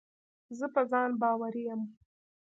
زه په ځان باوري یم.